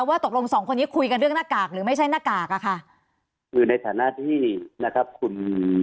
ว่าตกลงสองคนนี้คุยกันเรื่องหน้ากากหรือไม่ใช่หน้ากากอะค่ะคือในฐานะที่นะครับคุณ